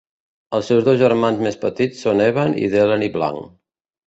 Els seus dos germans més petits són Evan i Delaney Blanc.